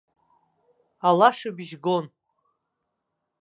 Алашыбжь гон.